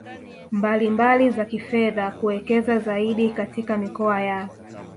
mbalimbali za kifedha kuwekeza zaidi katika mikoa ya